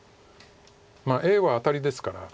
Ａはアタリですから。